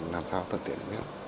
làm sao thuận tiện